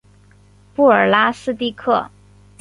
布尔拉斯蒂克。